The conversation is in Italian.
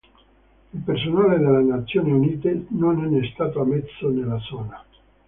Il personale delle Nazioni Unite non è stato ammesso nella zona.